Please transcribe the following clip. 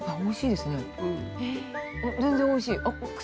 全然おいしい。